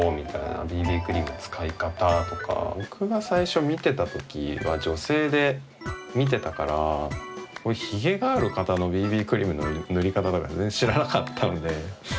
クリーム使い方とか僕が最初見てたときは女性で見てたからひげがある方のＢＢクリームの塗り方とか全然知らなかったので。